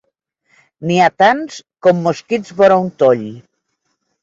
N'hi ha tants com mosquits vora un toll.